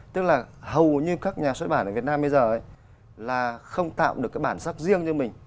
tức là hầu như các nhà xuất bản ở việt nam bây giờ là không tạo được cái bản sắc riêng cho mình